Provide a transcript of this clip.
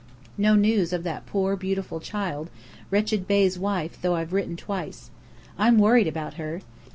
No news of that poor, beautiful child, Wretched Bey's wife though I've written twice. I'm worried about her.